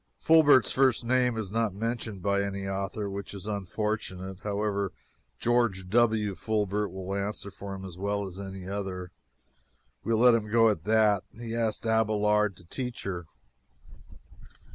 Fulbert's first name is not mentioned by any author, which is unfortunate. However, George W. Fulbert will answer for him as well as any other. We will let him go at that. He asked Abelard to teach her.